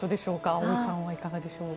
葵さんはいかがでしょう。